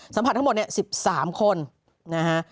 สัมผัสทั้งหมดเนี่ย๑๓คนนะฮะ